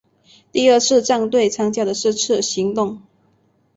第二战队参加了是次行动。